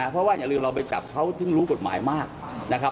เพราะว่าอย่าลืมเราไปจับเขาถึงรู้กฎหมายมากนะครับ